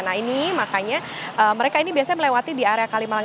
nah ini makanya mereka ini biasanya melewati di area kalimalang